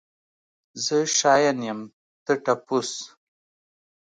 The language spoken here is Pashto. زه شاين يم ته ټپوس.